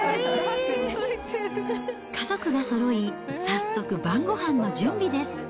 家族がそろい、早速、晩ごはんの準備です。